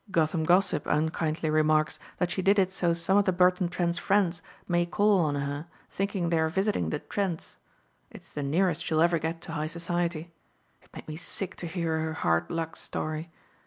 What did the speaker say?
Gotham Gossip unkindly remarks that she did it so some of the Burton Trents' friends may call on her, thinking they are visiting the Trents. It's the nearest she'll ever get to high society. It made me sick to hear her hard luck story.